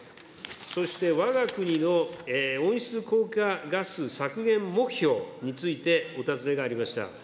そして、わが国の温室効果ガス削減目標について、お尋ねがありました。